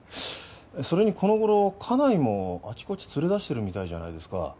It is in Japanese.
それにこの頃家内もあちこち連れ出してるみたいじゃないですか？